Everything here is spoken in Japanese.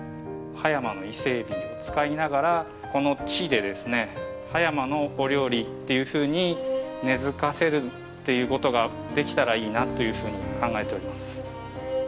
葉山の伊勢エビを使いながらこの地でですね葉山のお料理っていうふうに根付かせるっていう事ができたらいいなというふうに考えております。